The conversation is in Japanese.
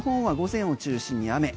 西日本は午前を中心に雨。